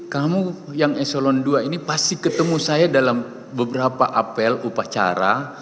kamu yang eselon ii ini pasti ketemu saya dalam beberapa apel upacara